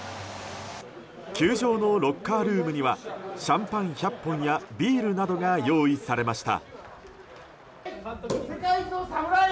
球場のロッカールームにはシャンパン１００本やビールなどが用意されました。